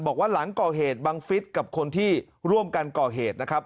บอกว่าหลังก่อเหตุบังฟิศกับคนที่ร่วมกันก่อเหตุนะครับ